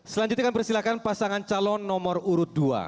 selanjutnya kami persilahkan pasangan calon nomor urut dua